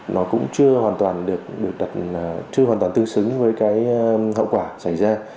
nó cũng chưa hoàn toàn được chưa hoàn toàn tương xứng với cái hậu quả xảy ra